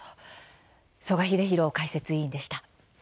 曽我英弘解説委員でした。